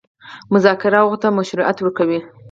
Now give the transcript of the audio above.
مذاکره هغوی ته مشروعیت ورکوي.